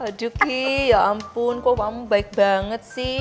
aduh ki ya ampun kok kamu baik banget sih